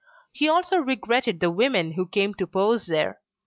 He also regretted the women who came to pose there.